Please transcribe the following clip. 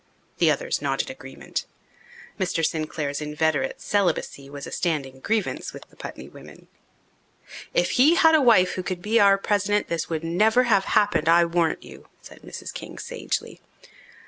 The others nodded agreement. Mr. Sinclair's inveterate celibacy was a standing grievance with the Putney women. "If he had a wife who could be our president this would never have happened, I warrant you," said Mrs. King sagely.